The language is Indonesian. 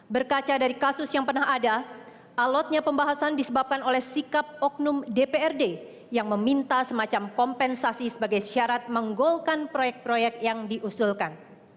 berkaca dari kasus yang pernah ada alotnya pembahasan disebabkan oleh sikap oknum dprd yang meminta semacam kompensasi sebagai syarat menggolkan proyek proyek yang diusulkan